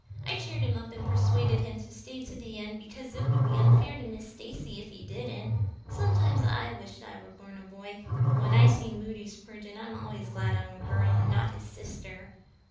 I cheered him up and persuaded him to stay to the end because it would be unfair to Miss Stacy if he didn't. Sometimes I have wished I was born a boy, but when I see Moody Spurgeon I'm always glad I'm a girl and not his sister.